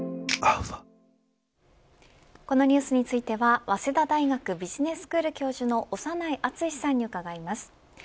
このニュースについては早稲田大学ビジネススクール教授の長内厚さんに伺います。